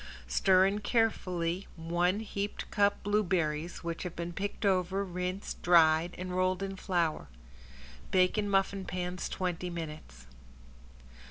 Stir in carefully one heaped cup blueberries which have been picked over, rinsed, dried and rolled in flour. Bake in muffin pans twenty minutes.